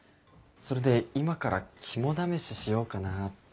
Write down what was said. それで今から肝試ししようかなって。